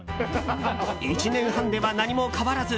１年半では何も変わらず。